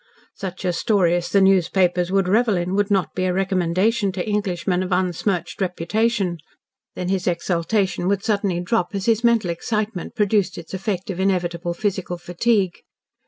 Such a story as the newspapers would revel in would not be a recommendation to Englishmen of unsmirched reputation. Then his exultation would suddenly drop as his mental excitement produced its effect of inevitable physical fatigue.